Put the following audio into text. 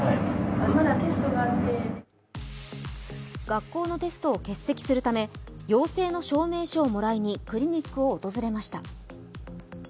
学校のテストを欠席するため、陽性の証明書をもらいにクリニックを訪れました。